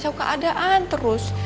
masa soal keadaan terus